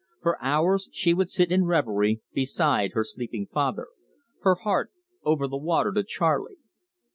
For hours she would sit in reverie beside her sleeping father, her heart "over the water to Charley."